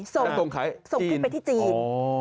ส่งทุกคนไปที่จีน